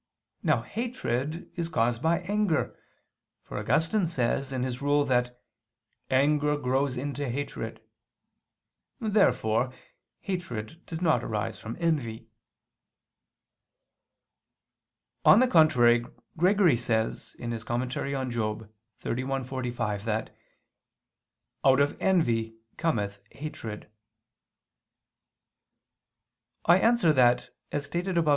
Now hatred is caused by anger, for Augustine says in his Rule that "anger grows into hatred." Therefore hatred does not arise from envy. On the contrary, Gregory says (Moral. xxxi, 45) that "out of envy cometh hatred." I answer that, As stated above (A.